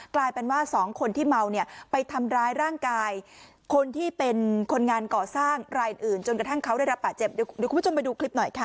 กลายเป็นว่าสองคนที่เมาเนี่ยไปทำร้ายร่างกายคนที่เป็นคนงานก่อสร้างรายอื่นจนกระทั่งเขาได้รับป่าเจ็บเดี๋ยวคุณผู้ชมไปดูคลิปหน่อยค่ะ